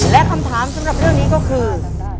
และคำถามสำหรับเรื่องนี้ก็คือ